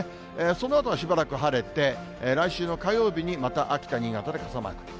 そのあとは、しばらく晴れて、来週の火曜日にまた秋田、新潟で傘マーク。